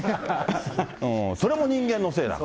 それも人間のせいだ。